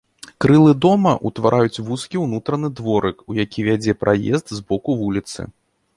Крылы дома ўтвараюць вузкі ўнутраны дворык, у які вядзе праезд з боку вуліцы.